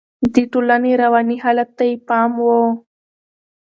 د ټولنې رواني حالت ته يې پام و.